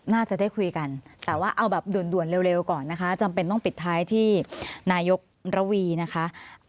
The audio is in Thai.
น่าจะได้คุยกันแต่ว่าเอาแบบด่วนเร็วก่อนนะคะจำเป็นต้องปิดท้ายที่นายกระวีนะคะ